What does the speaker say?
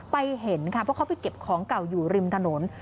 ไปเห็นค่ะเพราะเขาไปเก็บของเก่าอยู่ริมถนน